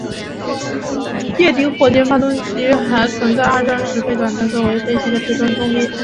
液体火箭发动机还曾在二战时期被短暂作为飞机的推进动力。